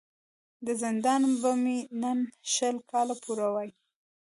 د زندان به مي نن شل کاله پوره وای